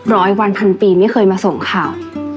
ร้อยวันพันปีไม่เคยมาส่งข่าว